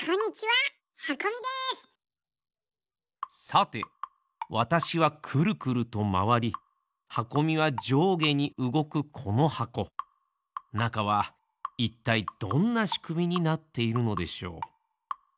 さてわたしはくるくるとまわりはこみはじょうげにうごくこのはこなかはいったいどんなしくみになっているのでしょう？